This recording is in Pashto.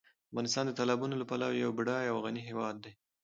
افغانستان د تالابونو له پلوه یو بډایه او غني هېواد دی.